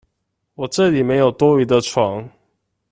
我這裡沒有多餘的床